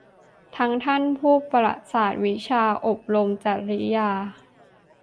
ทั้งท่านผู้ประสาทวิชา อบรมจริยา